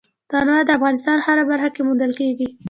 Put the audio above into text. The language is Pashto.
تنوع د افغانستان په هره برخه کې موندل کېږي.